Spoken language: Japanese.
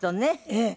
ええ。